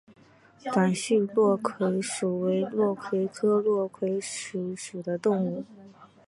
短序落葵薯为落葵科落葵薯属的植物。